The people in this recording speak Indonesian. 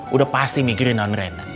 udah pasti mikirin onren